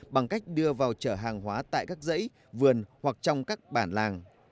bằng cách đưa vào chở hàng hóa tại các dãy vườn hoặc trong các bản làng